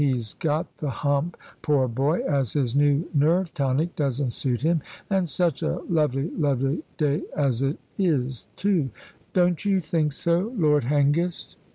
He's got the hump, poor boy, as his new nerve tonic doesn't suit him, and such a lovely, lovely day as it is too. Don't you think so, Lord Hengist?"